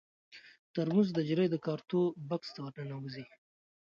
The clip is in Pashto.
ترموز د نجلۍ د کارتو بکس ته ور ننوځي.